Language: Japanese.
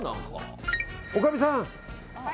おかみさん